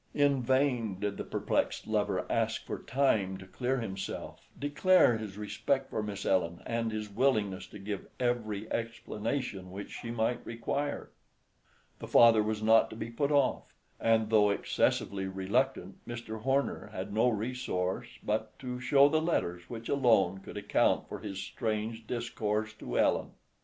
In vain did the perplexed lover ask for time to clear himself, declare his respect for Miss Ellen and his willingness to give every explanation which she might require; the father was not to be put off; and though excessively reluctant, Mr. Horner had no resource but to show the letters which alone could account for his strange discourse to Ellen.